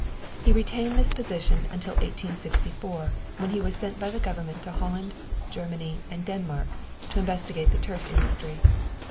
He retained this position until 1864, when he was sent by the government to Holland, Germany, and Denmark, to investigate the turf industry.